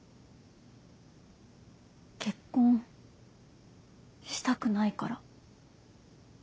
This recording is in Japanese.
結婚したくないから。